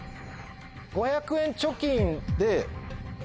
５００円貯金で。